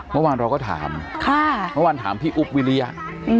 เมื่อวานเราก็ถามค่ะเมื่อวานถามพี่อุ๊บวิริยะ